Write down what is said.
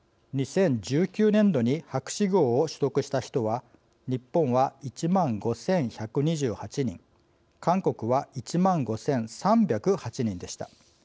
２０１９年度に博士号を取得した人は日本は１万５１２８人韓国は１万５３０８人でした。